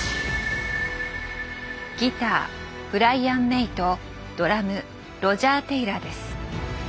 ギターブライアン・メイとドラムロジャー・テイラーです。